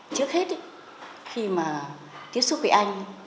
trước hết khi mà tiếp xúc với anh